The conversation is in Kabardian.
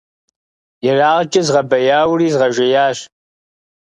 Ерагъкӏэ згъэбэяури згъэжеящ.